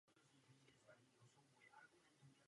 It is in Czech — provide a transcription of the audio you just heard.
Kameny by měly být asi o velikosti cihly.